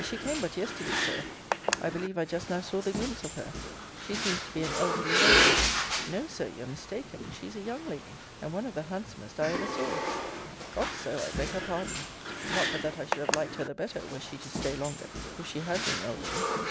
She came but yesterday, Sir I believe I just now saw the glimpse of her. She seems to be an elderly lady. No, Sir! you're mistaken. She's a young lady; and one of the handsomest I ever saw. Cot so, I beg her pardon! Not but that I should have liked her the better, were she to stay longer, if she had been elderly.